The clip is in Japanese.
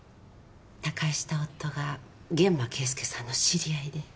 他界した夫が諫間慶介さんの知り合いで。